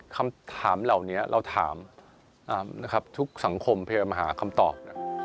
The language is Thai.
คำถามเหล่านี้เราถามทุกสังคมเพื่อมาหาคำตอบ